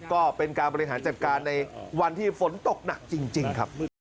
ก็เป็นการบริหารจัดการในวันที่ฝนตกหนักจริงครับ